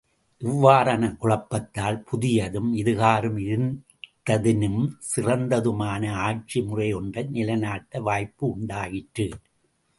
இவ்வாறான, குழப்பத்தால் புதியதும், இதுகாறும் இருந்ததினும், சிறந்ததுமான ஆட்சி முறையொன்றை நிலைநாட்ட வாய்ப்பு உண்டாயிற்று.